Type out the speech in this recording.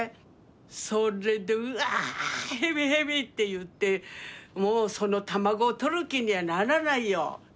それで「うわっヘビヘビ」って言ってもうその卵とる気にはならないよ。